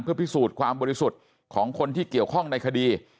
เพื่อพิสูจน์ความบริสุทธิ์ของคนที่เกี่ยวข้องในคดี